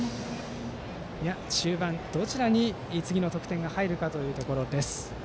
中盤、どちらに次の得点が入るかというところです。